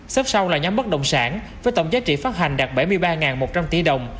xếp sau là nhóm bất động sản với tổng giá trị phát hành đạt bảy mươi ba một trăm linh tỷ đồng